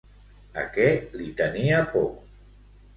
A què li tenia por?